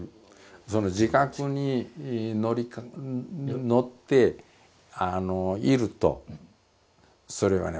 その自覚に乗っているとそれはね